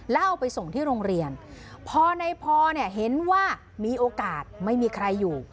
แล้วเอาไปส่งที่โรงเรียนพอในพอเนี่ยเห็นว่ามีโอกาสไม่มีใครอยู่